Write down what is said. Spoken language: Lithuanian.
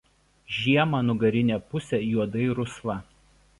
Žiemą nugarinė pusė juodai rusva.